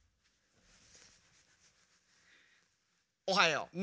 おはよう。